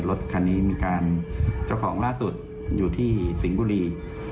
รถคันนี้มีการเจ้าของล่าสุดอยู่ที่สิงห์บุรี